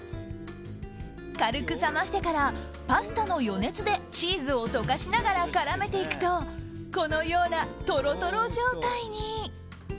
軽く冷ましてからパスタの余熱でチーズを溶かしながら絡めていくとこのような、トロトロ状態に。